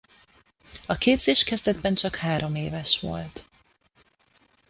A képzés kezdetben csak hároméves volt.